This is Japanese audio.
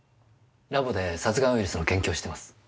ラボで殺癌ウイルスの研究をしてます。